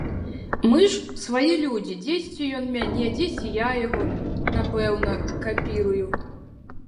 Мы ж свае людзі, дзесьці ён мяне, дзесьці я яго, напэўна, капірую.